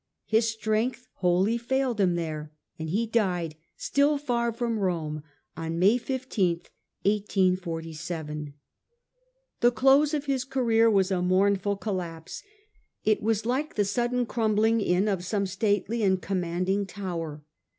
His strength wholly failed him there, and he died, still far from Rome, on May 15, 1847. The close of his career was a mournful collapse; it was like the sudden crumbling in of some stately and commanding tower.